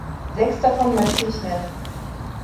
Sechs davon möchte ich nennen.